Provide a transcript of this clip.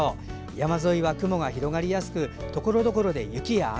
山沿いは雲が広がりやすくところどころで雪や雨。